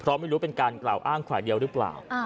เพราะไม่รู้เป็นการกล่าวอ้างฝ่ายเดียวหรือเปล่า